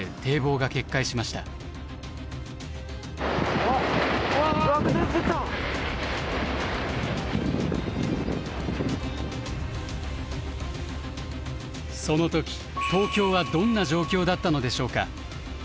その時東京はどんな状況だったのでしょうか？